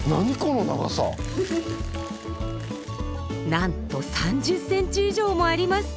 なんと３０センチ以上もあります！